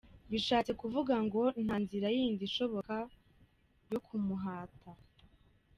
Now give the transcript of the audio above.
Bishatse kuvuga ngo “Ntanzira yindi ishoboka yo kumuhata?